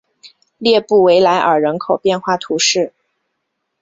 列布维莱尔人口变化图示